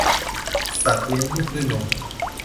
สัตว์เลี้ยงลูกด้วยนม